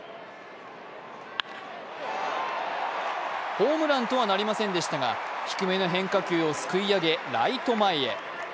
ホームランとはなりませんでしたが、低めの変化球をすくい上げ、ライト前へ。